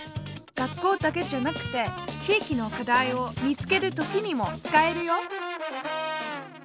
学校だけじゃなくて地域の課題を見つける時にも使えるよ！